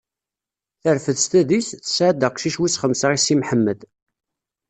Terfed s tadist, tesɛa-d aqcic wis xemsa i Si Mḥemmed.